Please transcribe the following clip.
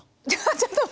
ちょっと待。